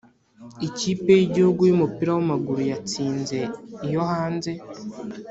Ikipe yigihugu yumupira wamaguru yatsinze iyohanze